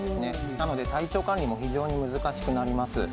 なので体調管理も非常に難しくなります